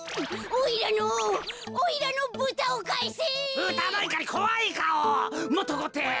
「おいらのおいらのブタをかえせ！」。